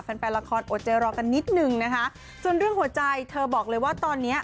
แฟนแฟนละครอดใจรอกันนิดนึงนะคะส่วนเรื่องหัวใจเธอบอกเลยว่าตอนเนี้ย